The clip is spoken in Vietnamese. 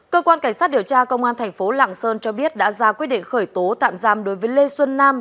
cơ quan cảnh sát điều tra công an thành phố lạng sơn cho biết đã ra quyết định khởi tố tạm giam đối với lê xuân nam